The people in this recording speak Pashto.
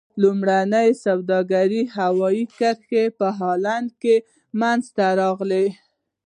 لومړنۍ سوداګرۍ هوایي کرښه په هالند کې منځته راغله.